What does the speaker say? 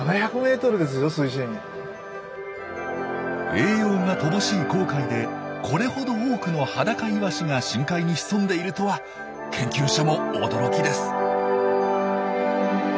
栄養が乏しい紅海でこれほど多くのハダカイワシが深海に潜んでいるとは研究者も驚きです。